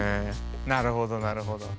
なるほどなるほど。